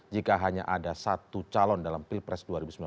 jika hanya ada satu calon dalam pilpres dua ribu sembilan belas